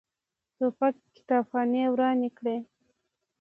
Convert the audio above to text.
توپک کتابخانې ورانې کړي.